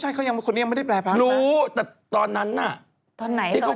จริงอันนี้จริงเอาแปรพักยังไงน่ะไม่อีบ๊า